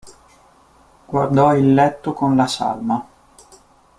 Guardò il letto con la salma.